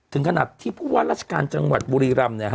ถึงขนาดที่ผู้ว่าราชการจังหวัดบุรีรำ